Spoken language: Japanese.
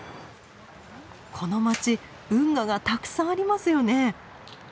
この街運河がたくさんありますよね。